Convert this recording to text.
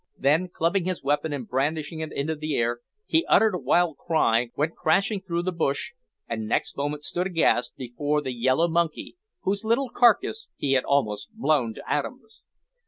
Then, clubbing his weapon and brandishing it in the air, he uttered a wild cry went crashing through the bush, and next moment stood aghast before the yellow monkey, whose little carcase he had almost blown to atoms.